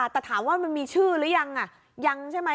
แต่ถามว่ามันมีชื่อหรือยังยังใช่ไหม